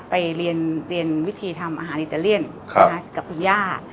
ไปเรียนวิธีทำอาหารอิตาเลียนกับคุณย่า